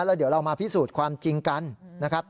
แล้วเดี๋ยวเรามาพิสูจน์ความจริงกันนะครับ